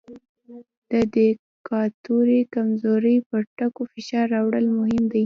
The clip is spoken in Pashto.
د دیکتاتورۍ د کمزورۍ پر ټکو فشار راوړل مهم دي.